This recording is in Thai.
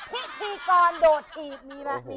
พี่ธีกรโดดถีบ